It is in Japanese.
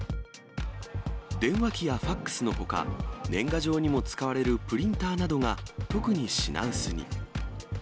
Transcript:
電話機やファックスのほか、年賀状にも使われるプリンターなどが特に品薄に。